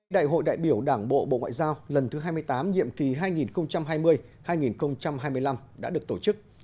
đại hội đại biểu đảng bộ bộ ngoại giao lần thứ hai mươi tám nhiệm kỳ hai nghìn hai mươi hai nghìn hai mươi năm đã được tổ chức